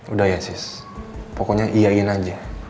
udah ya sis pokoknya iya in aja